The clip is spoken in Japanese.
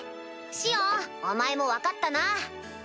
シオンお前も分かったな？